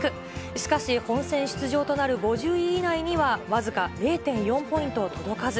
しかし、本戦出場となる５０位以内には、僅か０．４ポイント届かず。